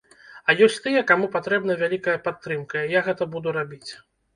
А ёсць тыя, каму патрэбна вялікая падтрымка, і я гэта буду рабіць.